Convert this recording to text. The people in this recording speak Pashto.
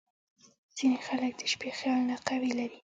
• ځینې خلک د شپې خیالونه قوي لري.